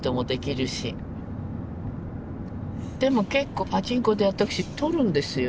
でも結構パチンコで私取るんですよ。